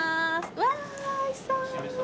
うわおいしそう。